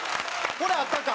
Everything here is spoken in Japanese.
これ合ったか。